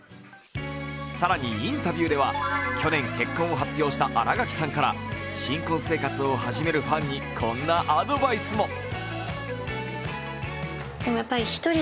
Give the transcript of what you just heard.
更にインタビューでは去年結婚を発表した新垣さんから新婚生活を始めるファンにこんなアドバイスも。